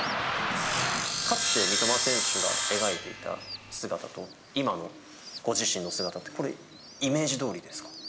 かつて三笘選手が描いていた姿と、今のご自身の姿って、イメージどおりですか。